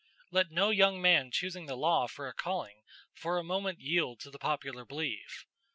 Let no young man choosing the law for a calling for a moment yield to the popular belief.